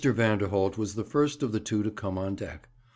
Vanderholt was the first of the two to come on deck.